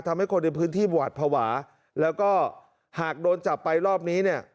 ทำให้คนในพื้นที่หวาดภาวะแล้วก็หากโดนจับไปรอบนี้เนี่ย